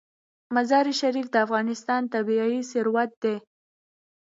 مزارشریف د افغانستان طبعي ثروت دی.